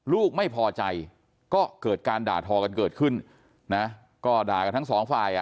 ลูกไม่พอใจก็เกิดการด่าทอกันเกิดขึ้นนะก็ด่ากันทั้งสองฝ่ายอ่ะ